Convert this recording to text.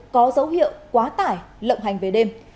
có dấu hiệu quá tải lộng hành về đêm